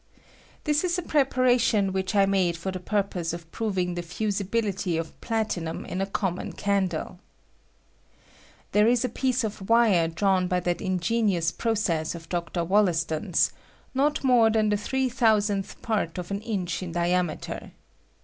This is a preparation which I made for the purpose of proving the fusibil ity of platinum in a common candle. There is a piece of wire drawn by that ingenious proc ess of Dr. Wollaston's, not more than the three thousandth part of an inch in diameter.